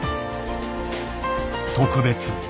特別。